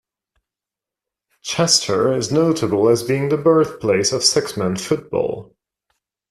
Chester is notable as being the birthplace of six-man football.